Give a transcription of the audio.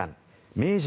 明治